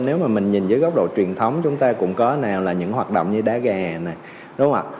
nếu mà mình nhìn dưới góc độ truyền thống chúng ta cũng có nào là những hoạt động như đá gà này